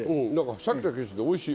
シャキシャキしてておいしい。